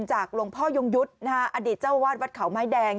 จากหลวงพ่อยงยุทธ์อดีตเจ้าวาดวัดเขาไม้แดง